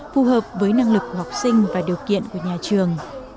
phù hợp với năng lực của học sinh và điều kiện của nhà trường